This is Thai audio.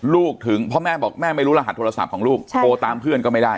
ถึงเพราะแม่บอกแม่ไม่รู้รหัสโทรศัพท์ของลูกโทรตามเพื่อนก็ไม่ได้